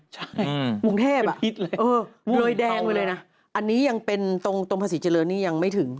ใช่เป็นพิษเลยม่วงเท่าไหร่นะอันนี้ยังเป็นตรงภาษิเจริญนี่ยังไม่ถึง